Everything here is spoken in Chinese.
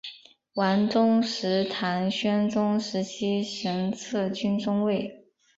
王宗实唐宣宗时期神策军中尉。